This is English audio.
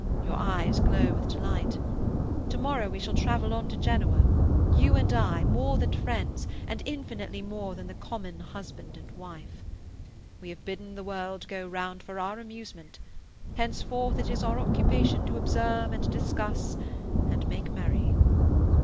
Your eyes glow with delight. To morrow we shall travel on to Genoa, you and I, more than friends, and infinitely more than the common husband and wife! We have bidden the world go round for our amusement; henceforth it is our occupation to observe and discuss and make merry.